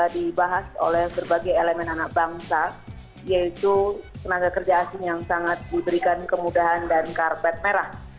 dibahas oleh berbagai elemen anak bangsa yaitu tenaga kerja asing yang sangat diberikan kemudahan dan karpet merah